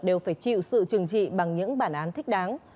đều phải chịu sự trừng trị bằng những bản án thích đáng